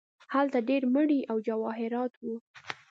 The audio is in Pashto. هلته ډیر مړي او جواهرات وو.